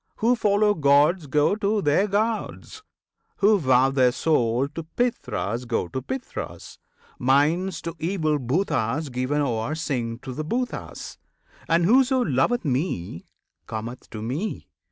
Who follow gods go to their gods; who vow Their souls to Pitris go to Pitris; minds To evil Bhuts given o'er sink to the Bhuts; And whoso loveth Me cometh to Me.